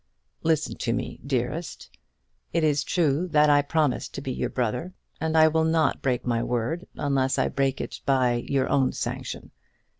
"Listen to me, dearest. It is true that I promised to be your brother, and I will not break my word unless I break it by your own sanction.